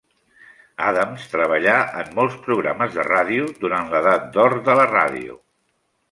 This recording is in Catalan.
Adams treballà en molts programes de ràdio durant l'Edat d'Or de la Ràdio.